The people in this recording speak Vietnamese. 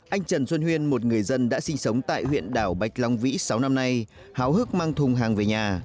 anh trần xuân huyên một người dân đã sinh sống tại huyện đảo bạch long vĩ sáu năm nay háo hức mang thùng hàng về nhà